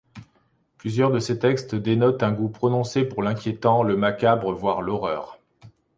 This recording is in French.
Plusieurs de ses textes dénotent un goût prononcé pour l'inquiétant, le macabre, voire l'horreur.